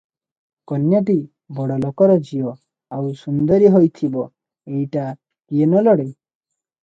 କନ୍ୟାଟି ବଡ଼ ଲୋକର ଝିଅ, ଆଉ ସୁନ୍ଦରୀ ହୋଇଥିବ, ଏଇଟା କିଏ ନ ଲୋଡ଼େ?